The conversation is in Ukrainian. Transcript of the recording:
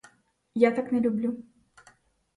Я так не люблю.